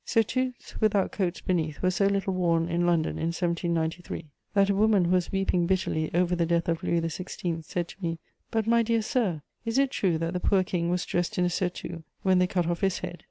Surtouts without coats beneath were so little worn in London in 1793 that a woman who was weeping bitterly over the death of Louis XVI. said to me: "But, my dear sir, is it true that the poor King was dressed in a surtout when they cut off his head?"